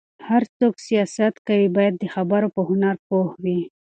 هر څوک چې سياست کوي، باید د خبرو په هنر پوه وي.